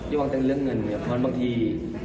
อยวางเป็นเรื่องเงินเพราะบางที